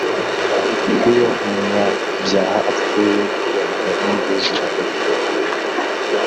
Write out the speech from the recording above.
iyo umunyabyaha apfuye impundu ziravuga